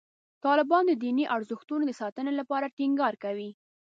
طالبان د دیني ارزښتونو د ساتنې لپاره ټینګار کوي.